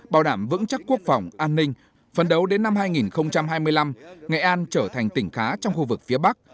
bảo đảm vững chắc quốc phòng an ninh phân đấu đến năm hai nghìn hai mươi năm nghệ an trở thành tỉnh khá trong khu vực phía bắc